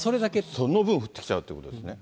その分、降ってきちゃうっていうことですね。